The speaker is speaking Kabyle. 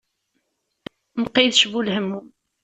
Mqidec bu lehmum.